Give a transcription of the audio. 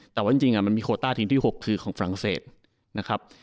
แต่ว่าจริงมันมีโคต้าทีมที่๖คือของฝรั่งเศสนะครับ